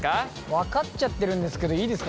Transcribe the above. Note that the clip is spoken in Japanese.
分かっちゃってるんですけどいいですか？